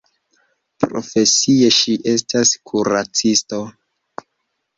Profesie ŝi estas kuracisto.